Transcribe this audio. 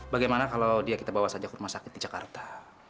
bagaimana kalau dia kita bawa saja ke rumah sakit di jakarta